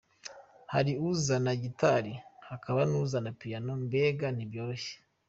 Hari uzana gitari hakaba n’uzana piyano, mbega ntibyoroshye”.